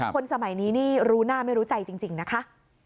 คนสมัยนี้นี่รู้หน้าไม่รู้ใจจริงนะคะ